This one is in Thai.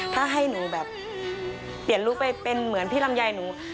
ถ้าให้หนูแบบเปลี่ยนลุคไปเป็นเหมือนพี่ลำไยหนู